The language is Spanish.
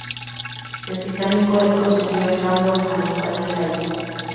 El británico le concedió el rango de mariscal del aire.